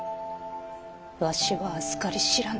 わしはあずかり知らぬ。